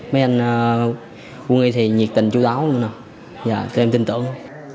mấy anh quân y thì nhiệt tình chú đáo tụi em tin tưởng